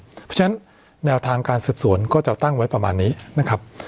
เพราะฉะนั้นแนวทางการสืบสวนก็จะตั้งไว้ประมาณนี้นะครับ